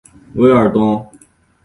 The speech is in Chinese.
韦尔东。